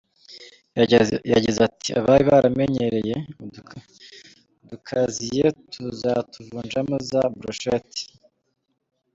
Yagize ati: “abari baranyemereye udukaziye tuzatuvunjamo za brochette.